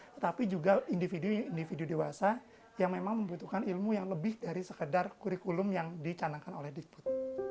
tetapi juga individu individu dewasa yang memang membutuhkan ilmu yang lebih dari sekedar kurikulum yang dicanangkan oleh dikput